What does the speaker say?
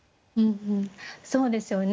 そうですよね。